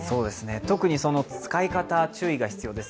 特に使い方、注意が必要です。